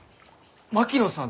槙野さん。